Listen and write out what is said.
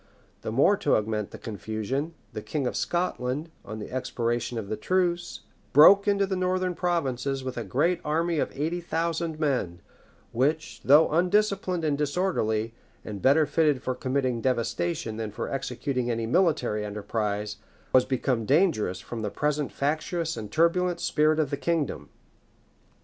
The more to augment the confusion, the king of Scotland, on the expiration of the truce, broke into the northern provinces with a great army[*] of eighty thousand men; which, though undisciplined and disorderly, and better fitted for committing devastation, than for executing any military enterprise, was become dangerous from the present factious and turbulent spirit of the kingdom. [* W. Heming.